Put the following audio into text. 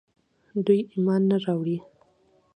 دوی ايمان نه راوړي